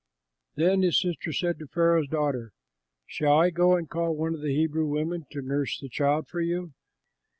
Then his sister said to Pharaoh's daughter, "Shall I go and call one of the Hebrew women to nurse the child for you?"